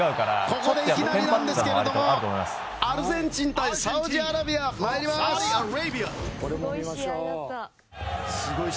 ここでいきなりですがアルゼンチン対サウジアラビアまいります。